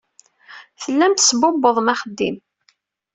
Tellam tesbubbuḍem axeddim.